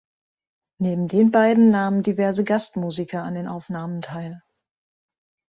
Neben den beiden nahmen diverse Gastmusiker an den Aufnahmen teil.